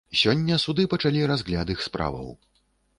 Сёння суды пачалі разгляд іх справаў.